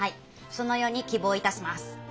そのように希望いたします。